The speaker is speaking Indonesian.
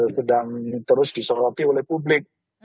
sedang terus disoroti oleh publik